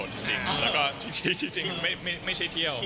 จริงแล้วก็จริงไม่ใช่เที่ยว